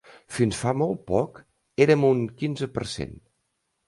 Fins fa molt poc, érem un quinze per cent.